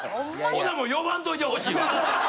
ほなもう呼ばんといてほしいわ。